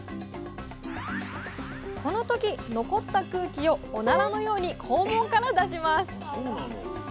この時残った空気をおならのように肛門から出します。